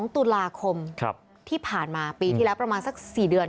๒ตุลาคมที่ผ่านมาปีที่แล้วประมาณสัก๔เดือน